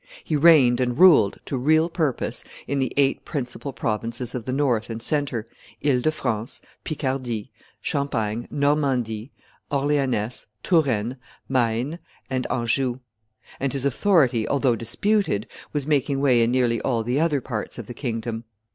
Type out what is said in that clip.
He reigned and ruled, to real purpose, in the eight principal provinces of the North and Centre Ile de France, Picardy, Champagne, Normandy, Orleanness, Touraine, Maine, and Anjou; and his authority, although disputed, was making way in nearly all the other parts of the kingdom.